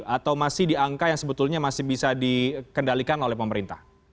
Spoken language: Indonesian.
atau masih di angka yang sebetulnya masih bisa dikendalikan oleh pemerintah